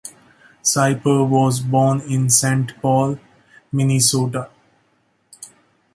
Sieber was born in Saint Paul, Minnesota.